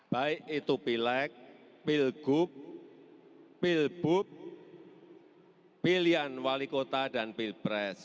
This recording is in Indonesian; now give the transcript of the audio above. baik itu pilek pil gub pil bub pilihan wali kota dan pil pres